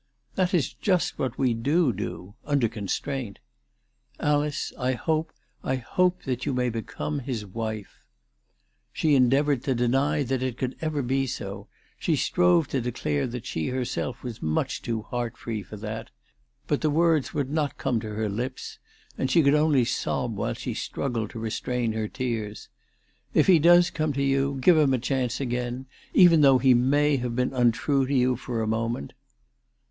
"That is just what we do do, under constraint. Alice, I hope, I hope that you may become his wife." She endeavoured to deny that it could ever be so ; she strove to declare that she herself was much too heart free for that ; but the words would not come to her lips, and she could only sob while she struggled to retain her tears. "If he does come to you give him a chance again, even though he may have been untrue to you for a moment."